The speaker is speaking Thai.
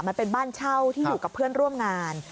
มันเป็นบ้านเช่าที่อยู่กับเพื่อนร่วมงาน